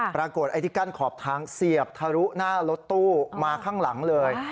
ปรากฏไอ้ที่กั้นขอบทางเสียบทะลุหน้ารถตู้มาข้างหลังเลย